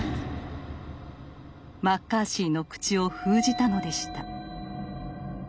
マッカーシーの口を封じたのでした。